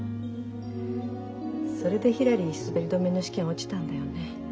それでひらり滑り止めの試験落ちたんだよね。